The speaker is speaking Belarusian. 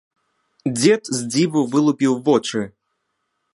Дзед з дзіву вылупіў вочы.